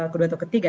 kedua atau ketiga